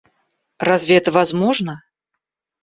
Разве это возможно?